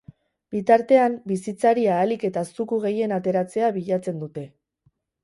Bitartean, bizitzari ahalik eta zuku gehien ateratzea bilatzen dute.